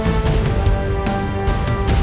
tidak ada yang bisa dihukum